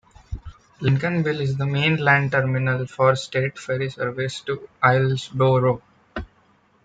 Lincolnville is the mainland terminal for state ferry service to Islesboro.